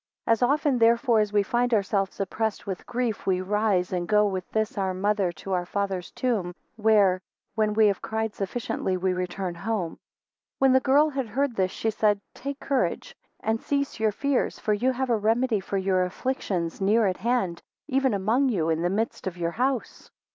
17 As often therefore as we find ourselves oppressed with grief, we rise and go with this our mother to our father's tomb, where, when we have cried sufficiently, we return home. 18 When the girl had heard this she said, Take courage, and cease your fears, for you have a remedy for your afflictions near at hand even amoung you and in the midst of your house.